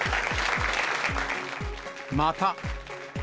また。